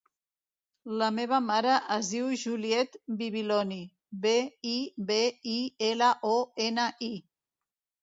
La meva mare es diu Juliette Bibiloni: be, i, be, i, ela, o, ena, i.